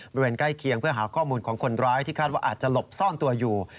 บริเวณใกล้เคียงเพื่อหาข้อมูลของคนร้ายที่คาดว่าอาจจะหลบซ่อนตัวอยู่